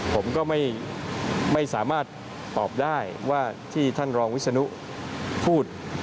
ผมก็ไม่สามารถตอบได้ว่าที่ท่านรองวิศนุพูด